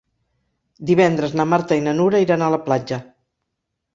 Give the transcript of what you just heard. Divendres na Marta i na Nura iran a la platja.